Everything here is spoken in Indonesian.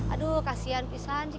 aduh kasihan pisahnya